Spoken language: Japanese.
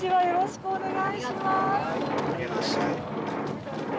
よろしくお願いします。